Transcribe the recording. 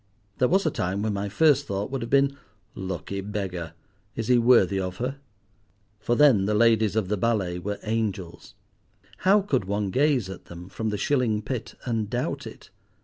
There was a time when my first thought would have been, "Lucky beggar! is he worthy of her?" For then the ladies of the ballet were angels. How could one gaze at them—from the shilling pit—and doubt it?